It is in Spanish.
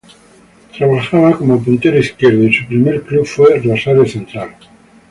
Se desempeñaba como puntero izquierdo y su primer club fue Rosario Central.